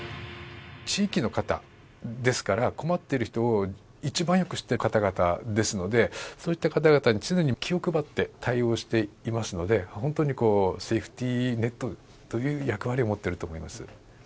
地域の方ですから、困っている人を一番よく知っている方々ですので、そういった方々に常に気を配って対応していますので、本当にセーフティーネットという役割を持っていると思います。